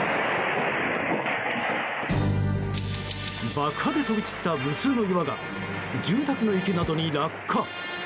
爆破で飛び散った無数の岩が住宅の池などに落下。